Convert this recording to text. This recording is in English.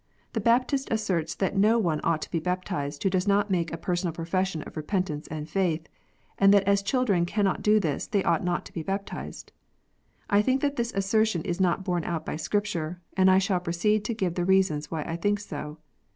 The Baptist asserts that no one ought to be baptized who does not make a personal profession of repentance and faith, and that as children cannot do this they ought not to be baptized. I think that this assertion is not borne out by Scripture, and I shall proceed to give the reasons why I think so.